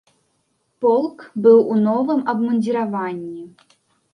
Полк быў у новым абмундзіраванні.